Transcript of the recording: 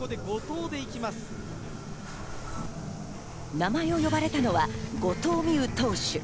名前を呼ばれたのは後藤希友投手。